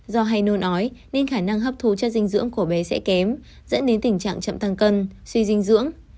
do hay nôn ói nên khả năng hấp thú chất dinh dưỡng của bé sẽ kém dẫn đến tình trạng chậm tăng cân suy dinh dưỡng